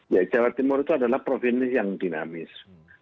ya jawa timur itu adalah provinsi yang dinamis